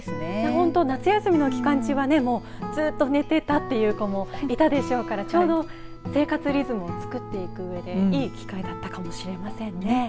本当、夏休みの期間中はずっと寝てたという子もいたでしょうからちょうど生活リズムを作っていくうえでいい機会だったかもしれませんね。